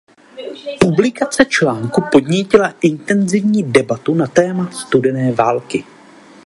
Publikace článku podnítila intenzivní debatu na téma studené války.